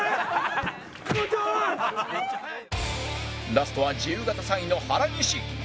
ラストは自由形３位の原西